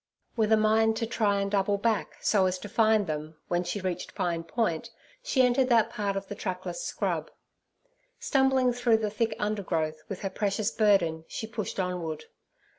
With a mind to try and double back so as to find them, when she reached Pine Point, she entered that part of the trackless scrub. Stumbling through the thick undergrowth with her precious burden, she pushed onward.